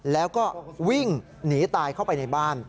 แล้วก็วิ่งหนีตายเข้าไปในบ้าน